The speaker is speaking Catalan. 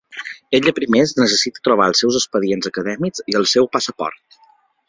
Ella primer necessita trobar els seus expedients acadèmics i el seu passaport.